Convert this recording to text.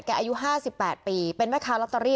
แกอายุห้าสิบแปดปีเป็นแม่ค้าลอตเตอรี่